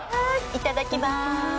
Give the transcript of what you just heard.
いただきます。